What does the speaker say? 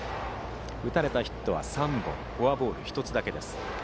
打たれたヒットは３本フォアボールは１つだけです。